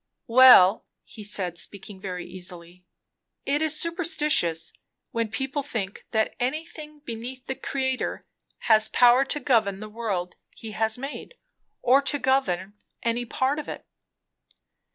"Well," he said, speaking very easily, "it is superstition, when people think that anything beneath the Creator has power to govern the world he has made or to govern any part of it."